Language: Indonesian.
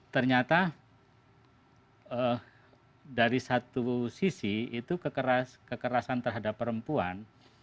ternyata dari satu sisi itu kekerasan terhadap perempuan